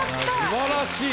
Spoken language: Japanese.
すばらしい。